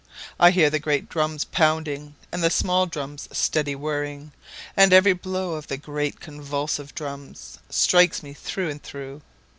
4I hear the great drums pounding, And the small drums steady whirring; And every blow of the great convulsive drums, Strikes me through and through.